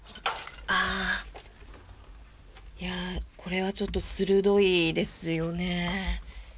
これはちょっと鋭いですよね。